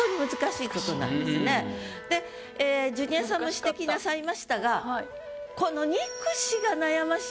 ジュニアさんも指摘なさいましたがこの「憎し」が。